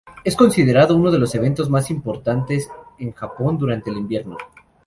Es considerado uno de los eventos más importantes en Japón durante el invierno.